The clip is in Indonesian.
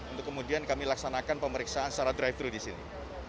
untuk kemudian kami laksanakan pemeriksaan secara drive thru di sini